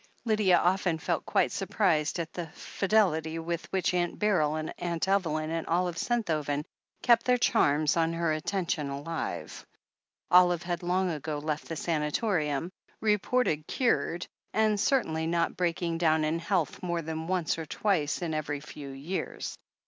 Lydia often felt quite surprised at the fidelity with which Aunt Beryl and Aimt Evelyn and Olive Sentho ven kept their claims on her attention alive. Olive had long ago left the sanatorium, reported cured, and cer tainly not breaking down in health more than once or twice in every few years.